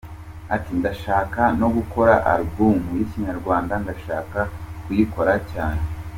Ati “Ndashaka no gukora album y’Ikinyarwanda, ndashaka kuyikora cyane.